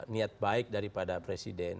niat baik daripada presiden